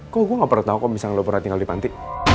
kok gue gak pernah tau kok bisa ngelopor hati hati di panti